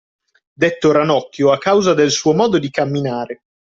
Detto Ranocchio a causa del suo modo di camminare